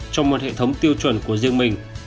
trong một hệ thống tiêu chuẩn của riêng mình